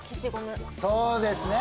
そうですね！